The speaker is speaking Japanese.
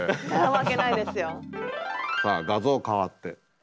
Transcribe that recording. さあ画像変わって。